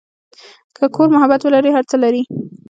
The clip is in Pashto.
که کور محبت ولري، هر څه لري.